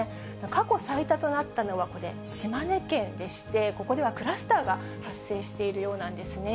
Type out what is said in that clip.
過去最多となったのは、これ、島根県でして、ここではクラスターが発生しているようなんですね。